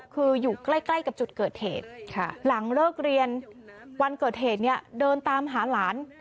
คืออยู่ใกล้กับจุดเกิดเหตุหลังเลิกเรียนวันเกิดเหตุเนี่ยเดินตามหาหลาน